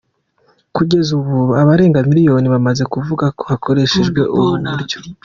Kugeza ubu, abarenga miliyoni bamaze kuvuga hakoreshejwe ubu buryo.